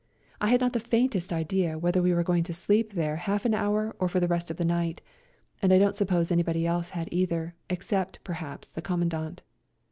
I had not the faintest idea whether we were going to stop there half an hour or for the rest of the night, and I don't suppose anybody else had either, except, perhaps, the Commandant.